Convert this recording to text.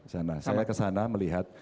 saya sampai ke sana melihat